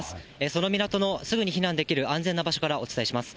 その港のすぐに避難できる安全な場所からお伝えします。